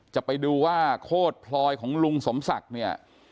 จะไปดูว่าโคตรพลอยของลุงสมศักดิ์เนี่ย